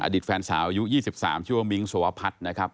แฟนสาวอายุ๒๓ชื่อว่ามิ้งสวพัฒน์นะครับ